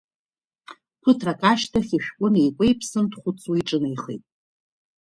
Ԥыҭрак ашьҭахь ишәҟәы неикәеиԥсан, дхәыцуа иҿынеихеит.